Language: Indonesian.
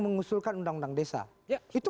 mengusulkan undang undang desa ya itu